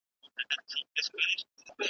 زموږ مشران زموږ څخه ډېر خوابدي سوي دي